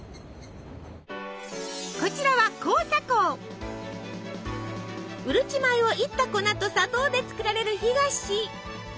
こちらはうるち米をいった粉と砂糖で作られる干菓子。